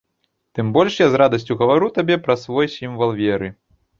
Тым больш я з радасцю гавару табе пра свой сімвал веры.